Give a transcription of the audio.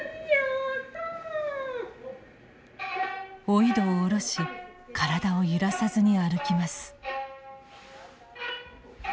おいどを下ろし体を揺らさずに歩きます。